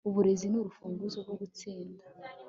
Uburezi ni urufunguzo rwo gutsinda